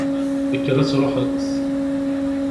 Kker ad truḥeḍ!